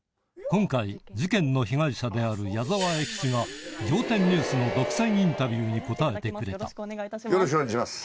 今回事件の被害者である矢沢永吉が『仰天ニュース』の独占インタビュ−に答えてくれたよろしくお願いします。